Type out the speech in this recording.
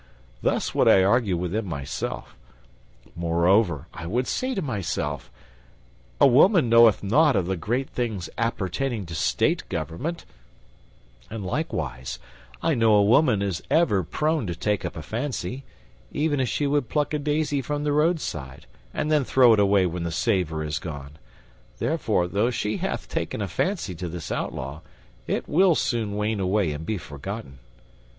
Thus would I argue within myself. Moreover, I would say unto myself, a woman knoweth nought of the great things appertaining to state government; and, likewise, I know a woman is ever prone to take up a fancy, even as she would pluck a daisy from the roadside, and then throw it away when the savor is gone; therefore, though she hath taken a fancy to this outlaw, it will soon wane away and be forgotten.